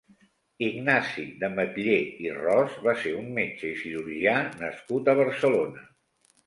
Ignasi d’Ametller i Ros va ser un metge i cirurgià nascut a Barcelona.